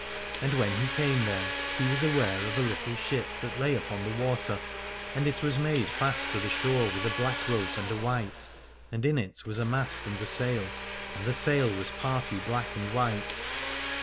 And when he came there he was aware of a little ship that lay upon the water, and it was made fast to the shore with a black rope and a white, and in it was a mast and a sail, and the sail was party black and white.